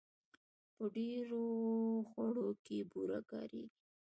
په ډېرو خوړو کې بوره کارېږي.